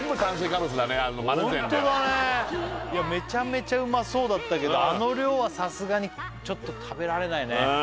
ホントだねめちゃめちゃうまそうだったけどあの量はさすがにちょっと食べられないね